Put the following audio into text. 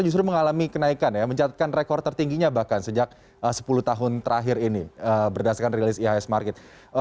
justru mengalami kenaikan ya mencatatkan rekor tertingginya bahkan sejak sepuluh tahun terakhir ini berdasarkan rilis ihs market